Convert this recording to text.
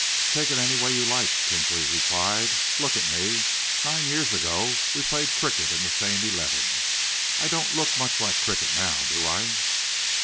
"Take it any way you like," Kinsley replied. "Look at me. Nine years ago we played cricket in the same eleven. I don't look much like cricket now, do I?"